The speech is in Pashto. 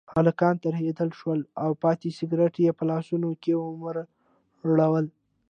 هلکان ترهېدلي شول او پاتې سګرټ یې په لاسونو کې ومروړل.